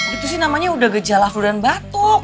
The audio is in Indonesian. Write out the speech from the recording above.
itu sih namanya udah gejala kemudian batuk